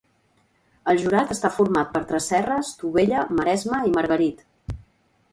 El jurat està format per Tresserras, Tubella, Maresma i Margarit.